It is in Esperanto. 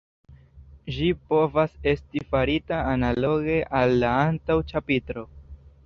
Ĝi povas esti farita analoge al la antaŭ ĉapitro.